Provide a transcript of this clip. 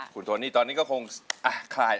คุณโทนี่ตอนนี้ก็คงอ่ะคลาย